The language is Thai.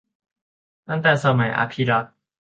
ตั้งแต่สมัยอภิรักษ์